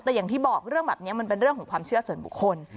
แต่อย่างที่บอกเรื่องแบบนี้มันเป็นเรื่องของความเชื่อส่วนบุคคล